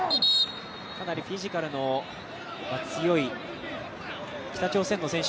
かなりフィジカルの強い北朝鮮の選手